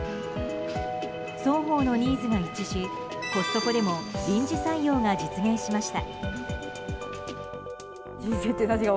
双方のニーズが一致しコストコでも臨時採用が実現しました。